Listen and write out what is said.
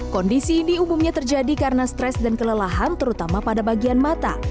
kondisi ini umumnya terjadi karena stres dan kelelahan terutama pada bagian mata